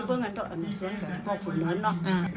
พี่โดมเฮีย